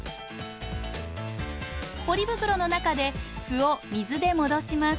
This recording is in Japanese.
ポリ袋の中で麩を水で戻します。